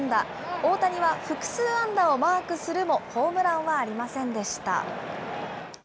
大谷は複数安打をマークするも、ホームランはありませんでした。